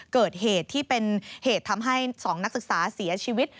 เกิดเหตุที่เป็นเหตุทำให้๒นักศึกษาเสียชีวิต